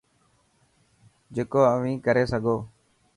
جڪو اوهين ڪري سگو.